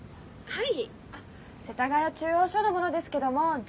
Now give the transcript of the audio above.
はい。